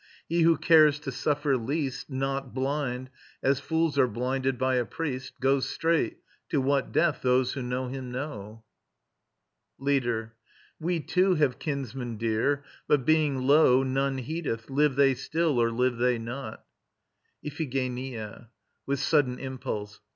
He who cares to suffer least, Not blind, as fools are blinded, by a priest, Goes straight... to what death, those who know him know. LEADER. We too have kinsmen dear, but, being low, None heedeth, live they still or live they not. IPHIGENIA (WITH SUDDEN IMPULSE).